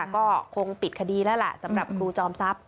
ก็คงปิดคดีแล้วล่ะสำหรับครูจอมทรัพย